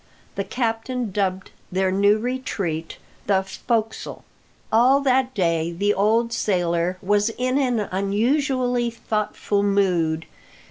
The captain dubbed their new retreat "the fo'csle." All that day the old sailor was in an unusually thoughtful mood.